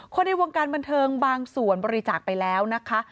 ในวงการบันเทิงบางส่วนบริจาคไปแล้วนะคะ